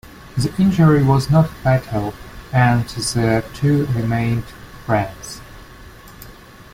The injury was not fatal, and the two remained friends.